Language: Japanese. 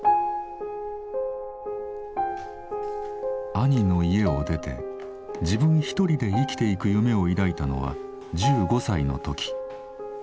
兄の家を出て自分一人で生きていく夢を抱いたのは１５歳の時。